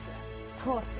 そうっすよ